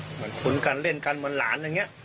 เหมือนคุ้นกันเล่นกันเหมือนหลานอย่างนี้